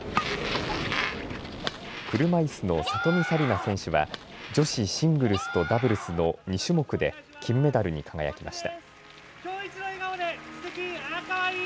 車いすの里見紗李奈選手は女子シングルスとダブルスの２種目で金メダルに輝きました。